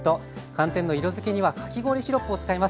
寒天の色づきにはかき氷シロップを使います。